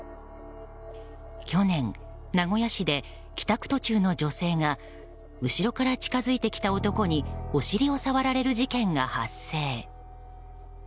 去年、名古屋市で帰宅途中の女性が後ろから近付いてきた男にお尻を触られる事件が発生。